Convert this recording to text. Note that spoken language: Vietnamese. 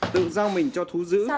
tự giao mình cho thú dữ